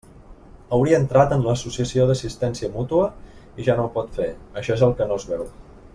Hauria entrat en l'associació d'assistència mútua i ja no ho pot fer, això és el que no es veu.